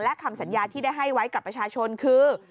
และคำสัญญาที่ได้ให้ไว้กับประชาชนคือ